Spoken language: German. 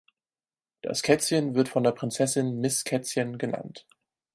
Das Kätzchen wird von der Prinzessin Miss Kätzchen genannt.